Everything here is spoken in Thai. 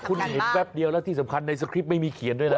คุณเห็นแป๊บเดียวแล้วที่สำคัญในสคริปต์ไม่มีเขียนด้วยนะ